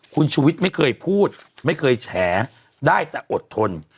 คุณชุวิตไม่เคยพูดไม่เคยแฉได้แต่อดทน